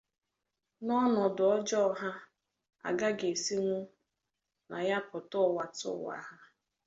na ọnọdụ ọjọọ ha agaghị esinwu na ya pụta ụwa tụ ụwa ha